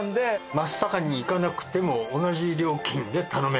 松阪に行かなくても同じ料金で頼める。